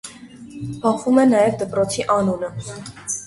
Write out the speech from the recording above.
Փոխվում է նաև դպրոցի անունը։